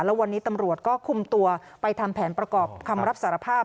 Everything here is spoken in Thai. แล้ววันนี้ตำรวจก็คุมตัวไปทำแผนประกอบคำรับสารภาพ